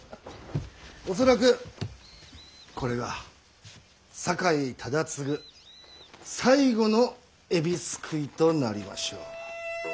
恐らくこれが酒井忠次最後の「海老すくい」となりましょう。